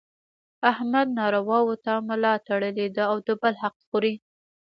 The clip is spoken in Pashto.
احمد نارواوو ته ملا تړلې ده او د بل حق خوري.